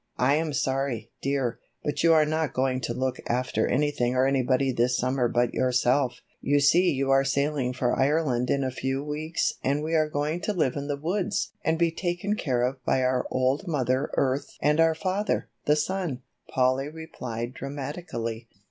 I am sorry, dear, but you are not going to look after anything or anybody this summer but yourself. You see you are sailing for Ireland in a few weeks and we are going to live in the woods and be taken care of by our old mother earth and our father, the sun," Polly replied dramatically.